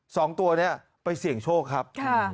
สองตัวเนี่ยไปเสี่ยงโชคครับ